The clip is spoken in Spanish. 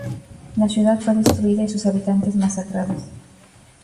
La ciudad fue destruida y sus habitantes masacrados.